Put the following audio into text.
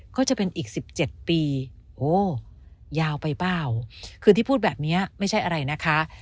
ก็จะเป็นอีก๑๗ปีโอ้ยาวไปเปล่าคือที่พูดแบบนี้ไม่ใช่อะไรนะคะ